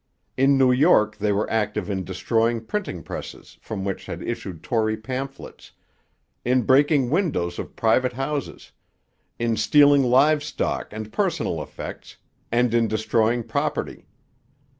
In New York they were active in destroying printing presses from which had issued Tory pamphlets, in breaking windows of private houses, in stealing live stock and personal effects, and in destroying property.